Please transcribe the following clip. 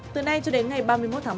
từ nay cho đến ngày ba mươi một tháng một